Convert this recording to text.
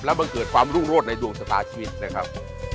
และเบื้องเกิดความรุ่งรวดในดวงศาตาชีวิตนะครับ